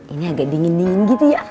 ini agak dingin dingin gitu ya